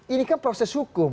ini kan proses hukum